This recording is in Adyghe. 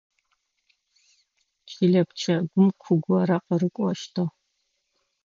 Чылэ пчэгум ку горэ къырыкӏощтыгъ.